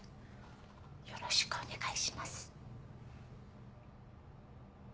よろしくお願いします。